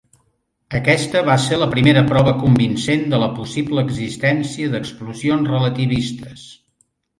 Aquesta va ser la primera prova convincent de la possible existència d'explosions relativistes.